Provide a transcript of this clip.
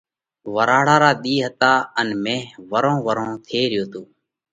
ورهاۯا را ۮِي هتا ان مي ورهون ورهون ٿي ريو تو۔